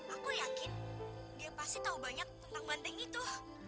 aku yakin dia pasti tahu banyak tentang bandeng itu